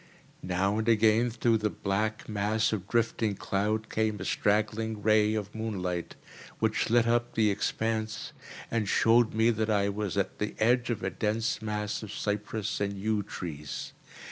Now and again, through the black mass of drifting cloud, came a straggling ray of moonlight, which lit up the expanse, and showed me that I was at the edge of a dense mass of cypress and yew trees.